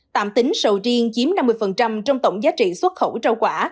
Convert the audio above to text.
tạm tính sầu riêng chiếm năm mươi trong tổng giá trị xuất khẩu rau quả